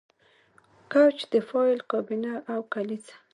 کوچ د فایل کابینه او کلیزه